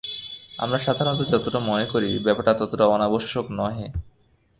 আমরা সাধারণত যতটা মনে করি, ব্যাপারটি ততটা অনাবশ্যক নহে।